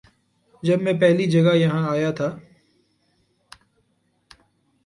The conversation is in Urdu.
جب میں پہلی جگہ یہاں آیا تھا